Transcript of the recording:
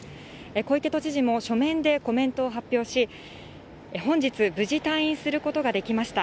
小池都知事も書面でコメントを発表し、本日、無事退院することができました。